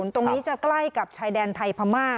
ตรงนี้จะใกล้กับชายแดนไทยพม่า